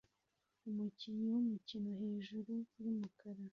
Umukinnyi wumukino hejuru yumukara